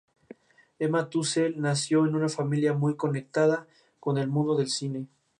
Emma Tusell nació en una familia muy conectada con el mundo del cine.